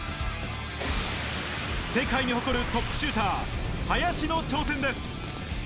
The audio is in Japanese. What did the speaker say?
世界に誇るトップシューター、林の挑戦です。